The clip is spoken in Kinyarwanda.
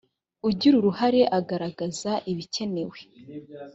ugira uruhare agaragaza ibikenewe.